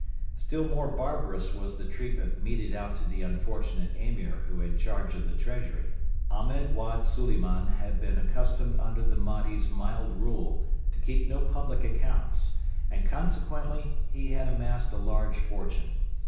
] Still more barbarous was the treatment meted out to the unfortunate Emir who had charge of the Treasury. Ahmed Wad Suliman had been accustomed under the Mahdi's mild rule to keep no public accounts, and consequently he had amassed a large fortune.